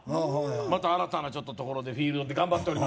また新たなところでフィールドで頑張っております